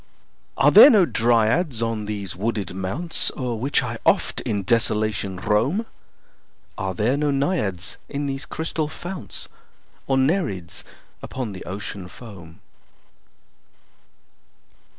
Are there no Dryads on these wooded mounts O'er which I oft in desolation roam? Are there no Naiads in these crystal founts? Nor Nereids upon the Ocean foam?